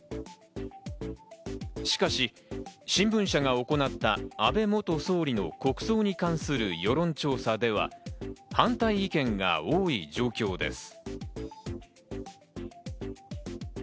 しかし、新聞社が行った安倍元総理の国葬に関する世論調査では反対意見が多い状況です。